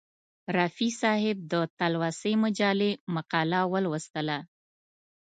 رفیع صاحب د تلوسې مجلې مقاله ولوستله.